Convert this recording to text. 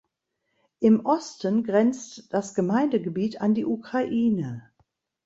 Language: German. Im Osten grenzt das Gemeindegebiet an die Ukraine.